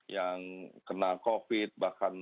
yang kena covid bahkan